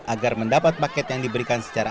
agar mendapat paket yang diberikan secara